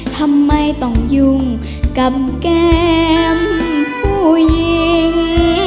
ทำไมต้องยุ่งกับแก้มผู้หญิง